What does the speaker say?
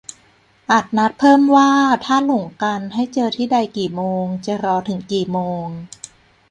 - อาจนัดเพิ่มว่า ถ้าหลงกันให้เจอที่ใดกี่โมง จะรอถึงกี่โมง